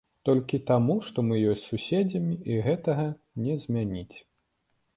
Толькі таму, што мы ёсць суседзямі, і гэтага не змяніць.